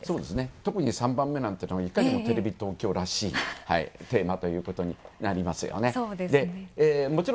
特に３番目なんていうのは、いかにもテレビ東京らしいテーマということになりますよね。